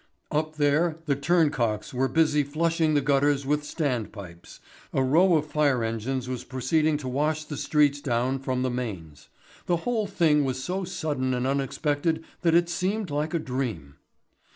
Up there the turncocks were busy flushing the gutters with standpipes, a row of fire engines was proceeding to wash the streets down from the mains. The whole thing was so sudden and unexpected that it seemed like a dream.